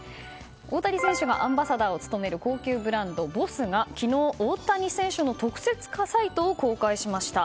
大谷選手がアンバサダーを務める高級ブランドＢＯＳＳが昨日、大谷選手の特設サイトを公開しました。